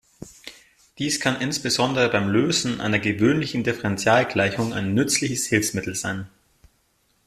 Dies kann insbesondere beim Lösen einer gewöhnlichen Differentialgleichung ein nützliches Hilfsmittel sein.